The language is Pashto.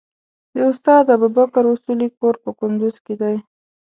د استاد ابوبکر اصولي کور په کندوز کې دی.